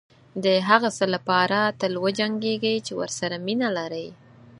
دهغه څه لپاره تل وجنګېږئ چې ورسره مینه لرئ.